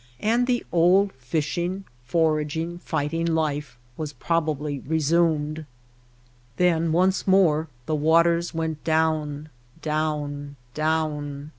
And the old fishing foraging fighting life was probably re sumed. Then once more the waters went down, down, down.